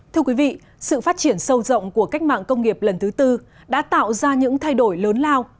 thưa quý vị sự phát triển sâu rộng của cách mạng công nghiệp lần thứ tư đã tạo ra những thay đổi lớn lao